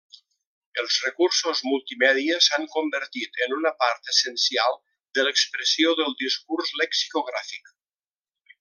Els recursos multimèdia s'han convertit en una part essencial de l'expressió del discurs lexicogràfic.